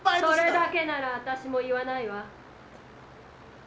それだけなら私も言わないわ。